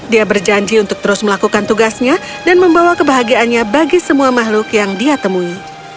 dia berjanji untuk terus melakukan tugasnya dan membawa kebahagiaannya bagi semua makhluk yang dia temui